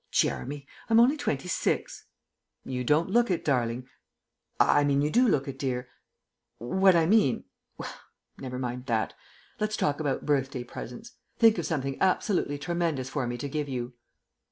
"Jeremy! I'm only twenty six." "You don't look it, darling; I mean you do look it, dear. What I mean well, never mind that. Let's talk about birthday presents. Think of something absolutely tremendous for me to give you."